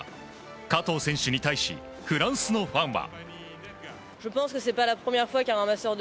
加藤選手に対しフランスのファンは。